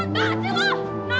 naran tau gak loh